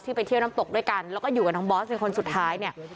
ไปเที่ยวน้ำตกด้วยกันแล้วก็อยู่กับน้องบอสเป็นคนสุดท้ายเนี่ย